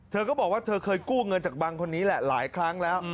เธอก็บอกว่าเธอเคยกู้เงินจากบังคนนี้แหละหลายครั้งแล้ว